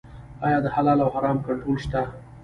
آیا د حلال او حرام کنټرول شته؟